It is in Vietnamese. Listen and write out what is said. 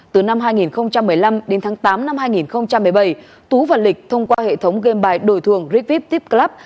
từ năm hai nghìn một mươi năm đến tháng tám năm hai nghìn một mươi bảy tú và lịch thông qua hệ thống game bài đổi thường rig vip tip club